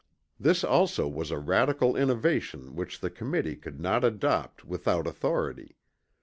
This also was a radical innovation which the Committee could not adopt without authority.